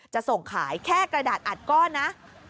จะส่งขายแค่กระดาษอัดก้อนนะ